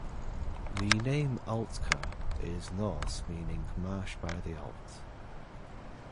The name Altcar is Norse meaning "marsh by the Alt".